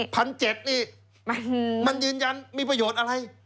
พันเจ็ดนี่มันยืนยันมีประโยชน์อะไร